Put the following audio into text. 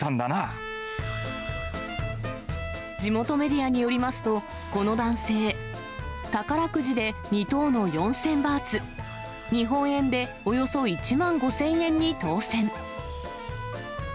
地元メディアによりますと、この男性、宝くじで２等の４０００バーツ、日本円でおよそ１万５０００円に当せん。